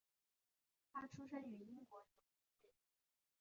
他出生于英国牛津郡。